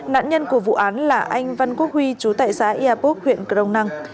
nạn nhân của vụ án là anh văn quốc huy chú tại xã yà bốc huyện cờ rông năng